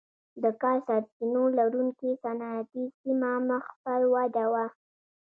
د کا سرچینو لرونکې صنعتي سیمه مخ پر وده وه.